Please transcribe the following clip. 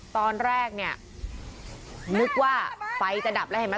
ตอนแรกเนี่ยนึกว่าไฟจะดับแล้วเห็นไหม